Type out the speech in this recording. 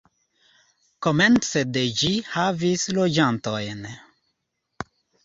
Komence de ĝi havis loĝantojn.